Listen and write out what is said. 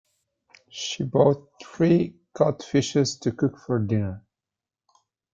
She bought three cod fishes to cook for dinner.